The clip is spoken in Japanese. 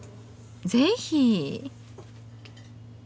ぜひ！